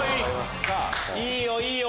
いいよいいよ！